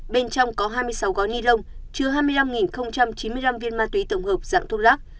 bên trong có hai mươi sáu gói ni lông chứa hai mươi năm chín mươi năm viên ma túy tổng hợp dạng thuốc lắc